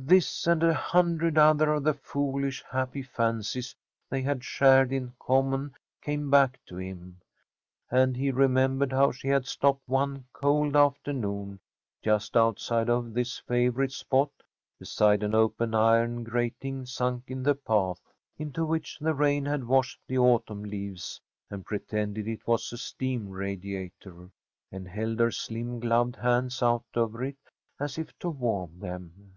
This and a hundred other of the foolish, happy fancies they had shared in common came back to him, and he remembered how she had stopped one cold afternoon just outside of this favorite spot, beside an open iron grating sunk in the path, into which the rain had washed the autumn leaves, and pretended it was a steam radiator, and held her slim gloved hands out over it as if to warm them.